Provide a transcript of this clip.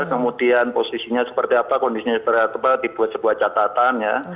kemudian posisinya seperti apa kondisinya seperti apa dibuat sebuah catatan ya